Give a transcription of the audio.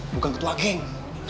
bukan ketua geng